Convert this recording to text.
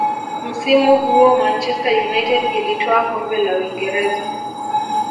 msimu huo manchester united ilitwaa kombe la uingereza